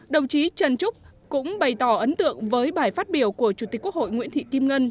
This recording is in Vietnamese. đồng chí trần trúc cũng bày tỏ ấn tượng với bài phát biểu của chủ tịch quốc hội nguyễn thị kim ngân